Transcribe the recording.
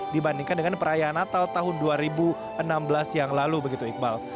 dibandingkan dengan perayaan natal tahun dua ribu enam belas yang lalu begitu iqbal